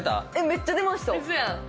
めっちゃ出ました！